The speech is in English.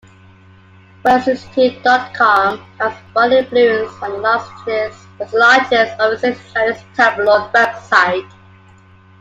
Wenxuecity dot com has a broad influence as the largest overseas Chinese tabloid website.